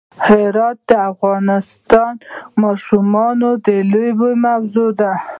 هرات د افغان ماشومانو د لوبو موضوع ده.